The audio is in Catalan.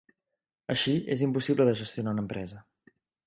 Així és impossible de gestionar una empresa.